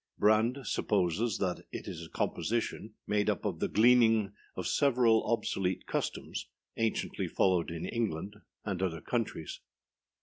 Brand supposes that it is a composition made up of the gleaning of several obsolete customs anciently followed in England and other countries.